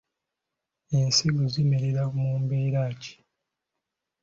Ensigo zimerera mu mbeera ki?